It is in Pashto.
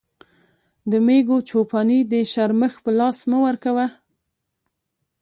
د مېږو چو پاني د شرمښ په لاس مه ورکوه.